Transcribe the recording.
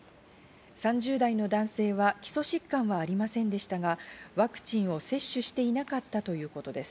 ３０代の男性は基礎疾患はありませんでしたが、ワクチンを接種していなかったということです。